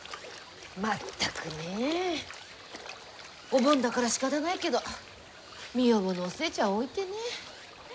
全くねえ。お盆だからしかたないけど身重のお寿恵ちゃんを置いてね。